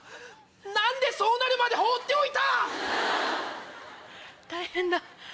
何でそうなるまで放っておいた⁉大変だ。